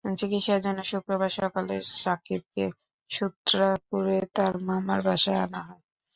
চিকিৎসার জন্য শুক্রবার সকালে সাকিবকে সূত্রাপুরে তার মামার বাসায় আনা হয়।